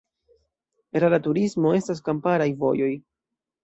Rura turismo: estas kamparaj vojoj.